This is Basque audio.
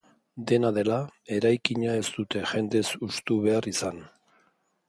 Dena dela, eraikina ez dute jendez hustu behar izan.